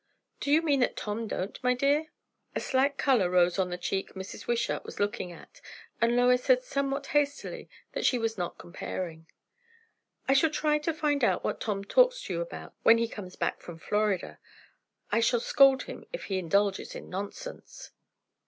"Do you mean that Tom don't, my dear?" A slight colour rose on the cheek Mrs. Wishart was looking at; and Lois said somewhat hastily that she was not comparing. "I shall try to find out what Tom talks to you about, when he comes back from Florida. I shall scold him if he indulges in nonsense."